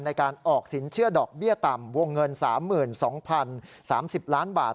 ในการออกสินเชื่อดอกเบี้ยต่ำวงเงิน๓๒๐๓๐ล้านบาท